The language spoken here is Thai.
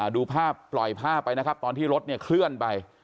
ดูภาพปล่อยภาพไปนะครับตอนที่รถเนี่ยเคลื่อนไป